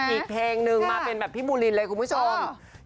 อีกเพลงนึงมาเป็นแบบพี่บูลินเลยคุณผู้ชม